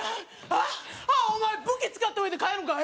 あっお前武器使っておいて帰るんか？